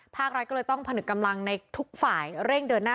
ภาครัฐก็เลยต้องผนึกกำลังในทุกฝ่ายเร่งเดินหน้า